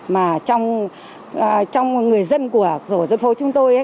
mà trong người dân của phố chúng tôi ấy